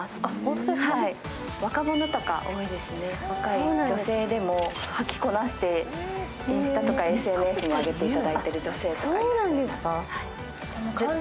若者とか多いですね、若い女性でも履きこなせてインスタとかＳＮＳに上げていただく女性とか。